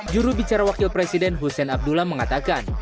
juru bicara wakil presiden hussein abdullah mengatakan